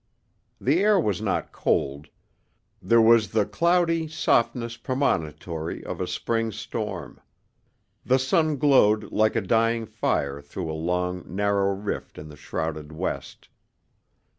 The air was not cold. There was the cloudy softness premonitory of a spring storm; the sun glowed like a dying fire through a long, narrow rift in the shrouded west.